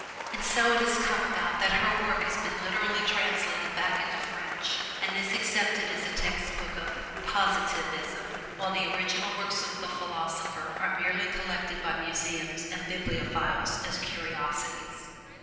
And so it has come about that her work has been literally translated back into French and is accepted as a textbook of Positivism, while the original books of the philosopher are merely collected by museums and bibliophiles as curiosities.